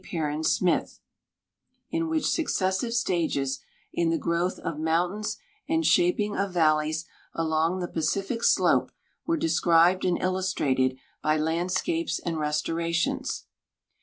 Perrin Smith, in which succes sive stages in the growth of mountains and shajiing of valleys along the Pacific slope were described and illustrated by landscapes and restorations.